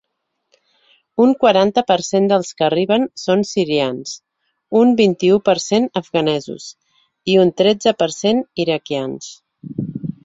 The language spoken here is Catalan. Un quaranta per cent dels que arriben són sirians, un vint-i-u per cent afganesos i un tretze per cent iraquians.